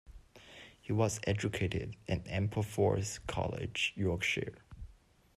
He was educated at Ampleforth College, Yorkshire.